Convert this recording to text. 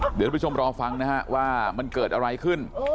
เดี๋ยวทุกผู้ชมรอฟังนะฮะว่ามันเกิดอะไรขึ้น